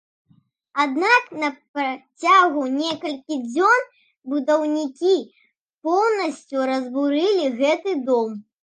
Аднак на працягу некалькіх дзён будаўнікі поўнасцю разбурылі гэты дом.